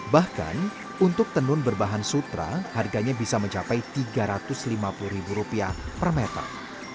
bahkan untuk tenun berbahan sutra harganya bisa mencapai rp tiga ratus lima puluh per meter